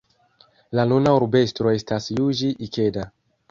La nuna urbestro estas Juĝi Ikeda.